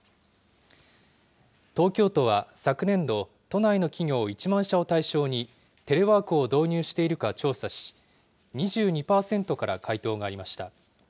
東京都は昨年度、都内の企業１万社を対象に、テレワークを導入しているか調査し、２２％から回答がありました。